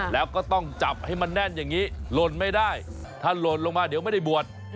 แล้วก็ต้องจับให้มันแน่นอย่างนี้หล่นไม่ได้ถ้าหล่นลงมาเดี๋ยวไม่ได้บวช